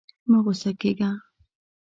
مه غوسه کېږه!